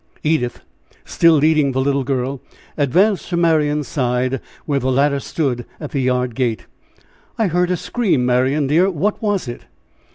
Edith, still leading the little girl, advanced to Marian's side, where the latter stood at the yard gate. "I heard a scream, Marian, dear what was it?"